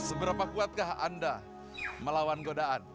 seberapa kuatkah anda melawan godaan